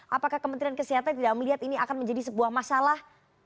apakah kementerian kesehatan tidak melihat ini akan menjadi sebuah masalah